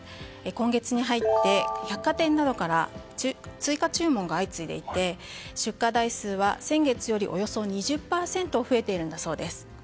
今月に入って、百貨店などから追加注文が相次いでいて出荷台数は先月よりおよそ２０％増えているそうです。